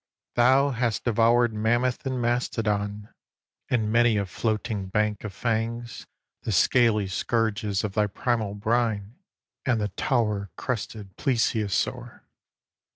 Thou hast devoured mammoth and mastodon, And many a floating bank of fangs, The scaly scourges of thy primal brine, And the tower crested plesiosaure.